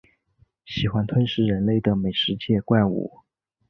喜欢吞噬人类的美食界怪物。